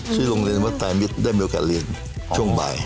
ที่โรงเรียนวัดไตรมิตรได้มีโอกาสเรียนช่วงบ่าย